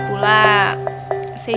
ya pak haji